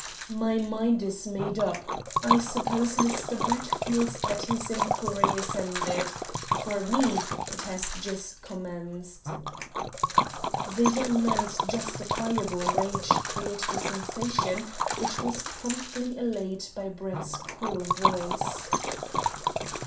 "My mind is made up. I suppose Mr. Brett feels that his inquiry is ended. For me it has just commenced." The young man's justifiable rage created a sensation which was promptly allayed by Brett's cool voice.